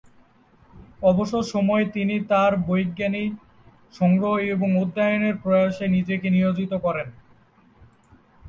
অবসর সময়ে, তিনি তাঁর বৈজ্ঞানিক সংগ্রহ এবং অধ্যয়নের প্রসারে নিজেকে নিয়োজিত করেন।